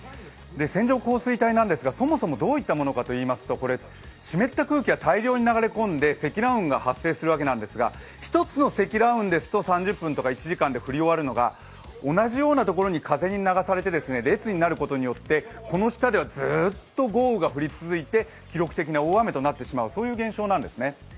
線状降水帯なんですがそもそもどういったものかといいますと湿った空気が大量に流れ込んで積乱雲が発生するわけですが一つの積乱雲ですと３０分とか１時間で降り終わるのが同じようなところに風にながれさて列になることによって、この下ではずっと豪雨が降り続いて記録的な大雨となってしまう、そういう現象なんですね。